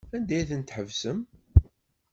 Anda ay ten-tḥebsem?